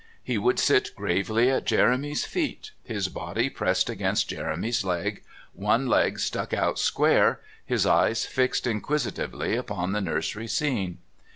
He would sit gravely at Jeremy's feet, his body pressed against Jeremy's leg, one leg stuck out square, his eyes fixed inquisitively upon the nursery scene.